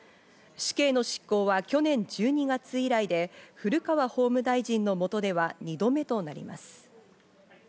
死刑の執行は去年１２月以来で、古川法務大臣のもとでは２度目となります。